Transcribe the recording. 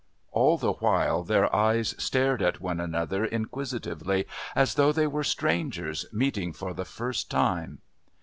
All the while their eyes stared at one another inquisitively, as though they were strangers meeting for the first time.